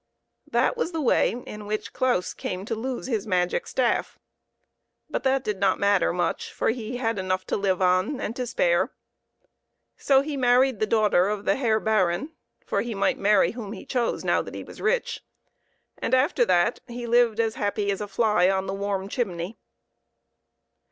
That was the way in which Claus came to lose his magic staff; but that did not mat 22 PEPPER AND SALT. ter much, for he had enough to live on and to spare. So he married the daughter of the Herr Baron (for he might marry whom he chose, now that he was rich), and after that he lived as happy as a fly on the warm chimney.